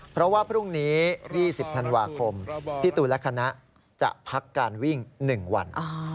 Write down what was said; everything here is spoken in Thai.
เพราะว่าพรุ่งนี้๒๐ธันวาคมพี่ตูนและคณะจะพักการวิ่ง๑วัน